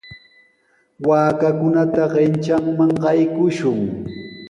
Waakakunata kanchanman qaykushun.